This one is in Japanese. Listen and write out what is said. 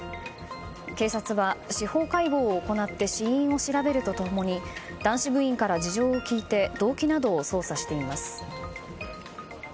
警察は司法解剖を行って死因を調べると共に男子部員から事情を聴いて動機などを捜査しています。